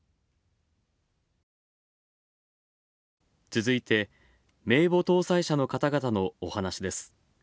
続いて、名簿登載者の方々の、お話です。